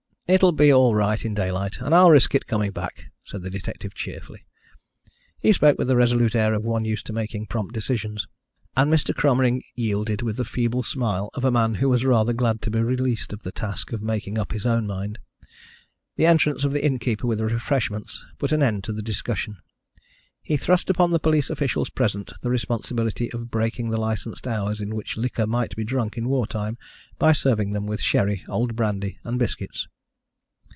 "It will be all right in daylight, and I'll risk it coming back," said the detective cheerfully. He spoke with the resolute air of one used to making prompt decisions, and Mr. Cromering yielded with the feeble smile of a man who was rather glad to be released of the task of making up his own mind. The entrance of the innkeeper with refreshments put an end to the discussion. He thrust upon the police officials present the responsibility of breaking the licensed hours in which liquor might be drunk in war time by serving them with sherry, old brandy, and biscuits.